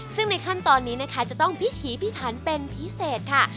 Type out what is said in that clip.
ซึ่งในขั้นตอนนี้นะคะจะต้องพิถีพิถันเป็นพิเศษค่ะ